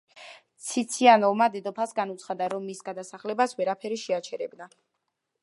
ციციანოვმა დედოფალს განუცხადა, რომ მის გადასახლებას ვერაფერი შეაჩერებდა.